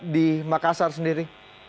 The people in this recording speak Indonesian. di makassar sendiri